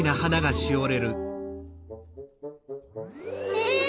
え！